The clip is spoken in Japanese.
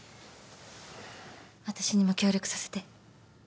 私にも協力させて。